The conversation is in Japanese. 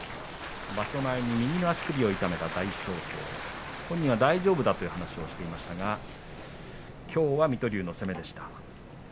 場所前に右の足首を痛めた大翔鵬本人は大丈夫だと話をしてましたがきょうは水戸龍の攻めでした。